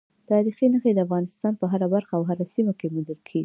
تاریخي نښې د افغانستان په هره برخه او هره سیمه کې موندل کېږي.